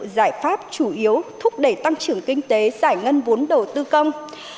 giải pháp chủ yếu thúc đẩy tăng trưởng kinh tế giải ngân vốn đầu tư công